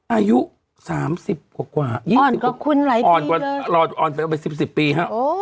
อายุ๓๐กว่าอ่อนกว่าคุณหลายปีเลยอ่อนไป๑๐ปีครับ